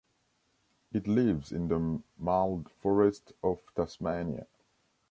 It lives in the mild forests of Tasmania.